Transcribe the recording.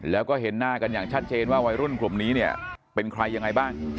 แล้วก็เห็นหน้ากันอย่างชัดเจนว่าวัยรุ่นกลุ่มนี้เนี่ยเป็นใครยังไงบ้าง